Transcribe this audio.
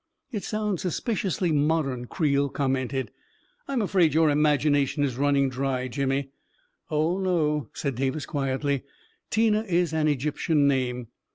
" It sounds suspiciously modern," Creel com mented. " I'm afraid your imagination is running dry, Jimmy." " Oh, no," said Davis quietly, " Tina is an Egyp tian name.